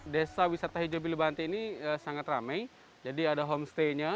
desa wisata hijau bilibante ini sangat ramai jadi ada homestay nya